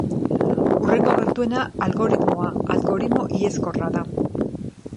Hurrengo gertuena algoritmoa algoritmo ireskorra da.